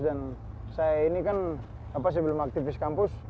dan saya ini kan sebelum aktivis kampus